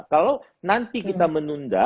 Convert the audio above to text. kalau nanti kita menunda